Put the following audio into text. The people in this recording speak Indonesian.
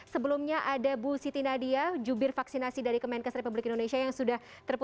sebelumnya ada bu siti nadia jubir vaksinasi dari kemenkes republik indonesia yang sudah